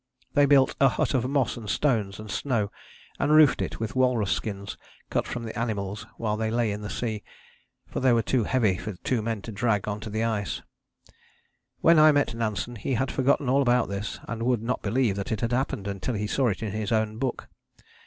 They built a hut of moss and stones and snow, and roofed it with walrus skins cut from the animals while they lay in the sea, for they were too heavy for two men to drag on to the ice. When I met Nansen he had forgotten all about this, and would not believe that it had happened until he saw it in his own book.